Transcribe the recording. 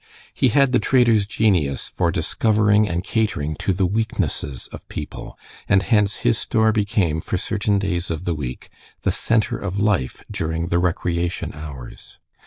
He had the trader's genius for discovering and catering to the weaknesses of people, and hence his store became, for certain days of the week, the center of life during the recreation hours.